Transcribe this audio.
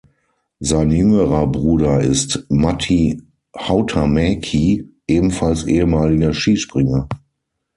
Sein jüngerer Bruder ist Matti Hautamäki, ebenfalls ehemaliger Skispringer.